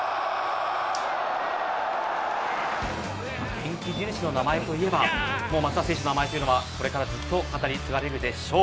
元気印の名前といえば松田選手の名前はこれからずっと語り継がれるでしょう。